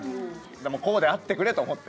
こうであってくれと思って。